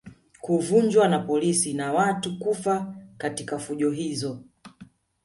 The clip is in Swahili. Kuvunjwa na polisi na watu kufa katika fujo hizo